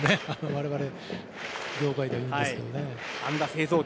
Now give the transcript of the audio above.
我々、業界では言うんですけど。